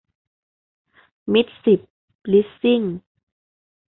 มิตรสิบ ลิสซิ่ง